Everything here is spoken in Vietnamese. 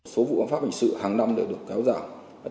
số vụ an toàn xã hội hình sự hàng năm đã được kéo dài